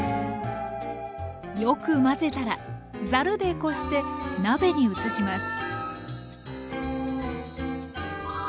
よく混ぜたらざるでこして鍋に移します。